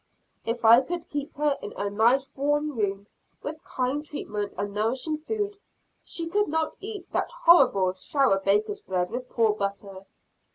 If I could keep her in a nice warm room, with kind treatment and nourishing food! She could not eat that horrible, sour bakers' bread with poor butter.